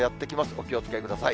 お気をつけください。